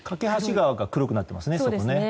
梯川が黒くなってますね。